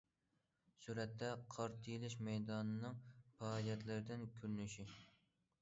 سۈرەتتە: قار تېيىلىش مەيدانىنىڭ پائالىيەتلىرىدىن كۆرۈنۈش.